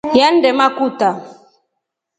Yande makuta.